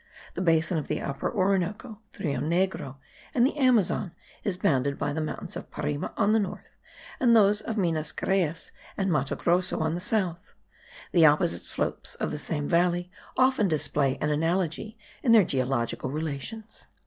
The basin of the Upper Orinoco, the Rio Negro, and the Amazon is bounded by the mountains of Parime on the north, and by those of Minas Geraes, and Matogrosso on the south. The opposite slopes of the same valley often display an analogy in their geological relations.